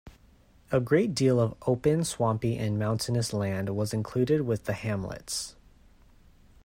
A great deal of open, swampy, and mountainous land was included with the hamlets.